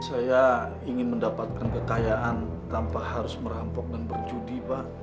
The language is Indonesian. saya ingin mendapatkan kekayaan tanpa harus merampok dan berjudi pak